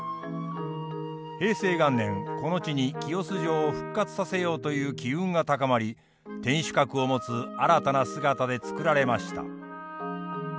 平成元年この地に清洲城を復活させようという機運が高まり天主閣を持つ新たな姿で造られました。